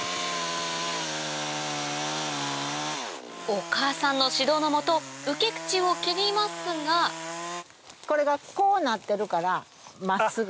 お母さんの指導の下受け口を切りますがこれがこうなってるから真っすぐ。